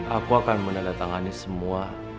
aku akan menandatangani semua